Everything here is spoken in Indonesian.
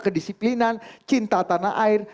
kedisiplinan cinta tanah air